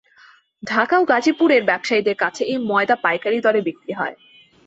ঢাকা ও গাজীপুরের ব্যবসায়ীদের কাছে এই ময়দা পাইকারি দরে বিক্রি হয়।